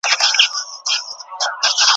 د رقیب له بدو سترګو څخه لیري